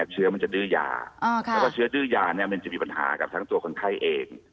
เชื้อมันจะดื้อยาแล้วก็เชื้อดื้อยาเนี่ยมันจะมีปัญหากับทั้งตัวคนไข้เอง